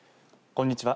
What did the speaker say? こんにちは。